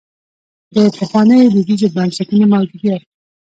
د پخوانیو دودیزو بنسټونو موجودیت.